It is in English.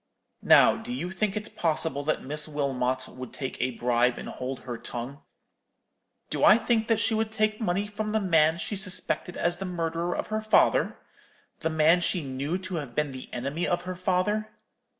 Now, do you think it possible that Miss Wilmot would take a bribe, and hold her tongue?' "'Do I think that she would take money from the man she suspected as the murderer of her father—the man she knew to have been the enemy of her father?